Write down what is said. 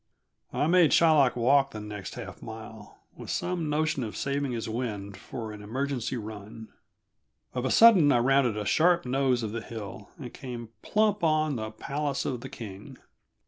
I made Shylock walk the next half mile, with some notion of saving his wind for an emergency run. Of a sudden I rounded a sharp nose of hill and came plump on the palace of the King.